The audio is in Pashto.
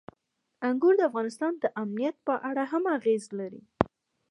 انګور د افغانستان د امنیت په اړه هم اغېز لري.